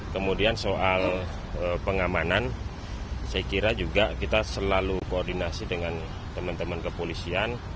kemudian soal pengamanan saya kira juga kita selalu koordinasi dengan teman teman kepolisian